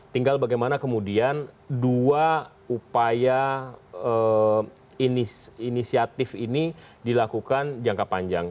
tinggal bagaimana kemudian dua upaya inisiatif ini dilakukan jangka panjang